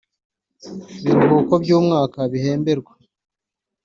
Biruhuko by umwaka bihemberwa